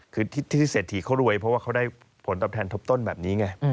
คือที่เศรษฐีเขารวยเพราะว่าเขาได้ผลตอบแทนทบต้นแบบนี้ไง